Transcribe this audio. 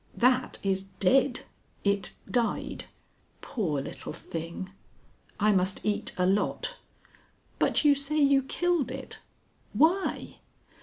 "That is dead; it died." "Poor little thing. I must eat a lot. But you say you killed it. _Why?